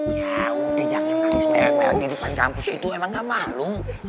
ya udah jangan lagi sempet melek melek di depan kampus gitu emang gak malu